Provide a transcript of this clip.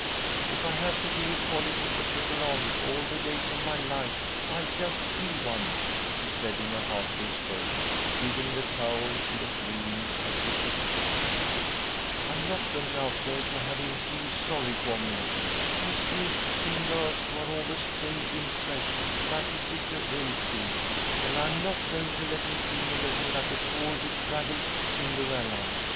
"If I have to be a Polly put the kettle on all the days of my life, I'll just be one," she said, in a half whisper, giving the towel she was wringing a vicious twist. "I'm not going out there to have him feel sorry for me. He's used to seeing girls who are always dainty and fresh, like his sister Elsie, and I'm not going to let him see me looking like a poor, bedraggled Cinderella.